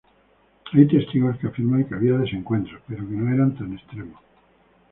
Hay testigos que afirman que había desencuentros, pero que no eran tan extremos.